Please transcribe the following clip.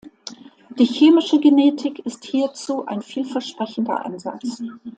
Die Chemische Genetik ist hierzu ein vielversprechender Ansatz.